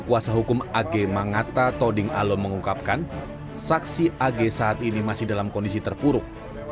kuasa hukum ag mangata toding alom mengungkapkan saksi ag saat ini masih dalam kondisi terpuruk